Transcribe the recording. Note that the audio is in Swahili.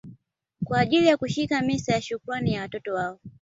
kwa ajili ya kushiriki misa ya shukrani ya watoto wao